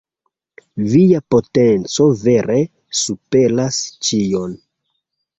Via potenco vere superas ĉion.